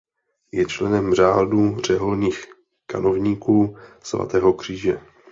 Je členem Řádu řeholních kanovníků svatého Kříže.